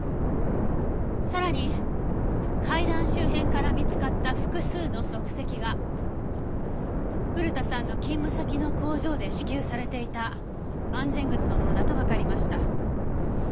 さらに階段周辺から見つかった複数の足跡が古田さんの勤務先の工場で支給されていた安全靴のものだとわかりました。